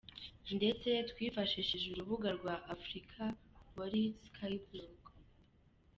ndetse twifashishije urubuga rwa afrika-wali-skyblog.